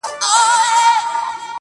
اوښکي نه راتویومه خو ژړا کړم.